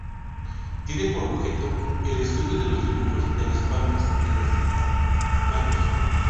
Tiene por objeto el estudio de los dibujos de las palmas de las manos.